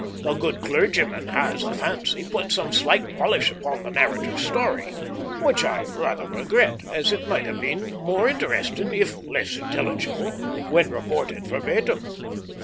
The good clergyman has, I fancy, put some slight polish upon the narrator's story, which I rather regret, as it might have been more interesting, if less intelligible, when reported verbatim.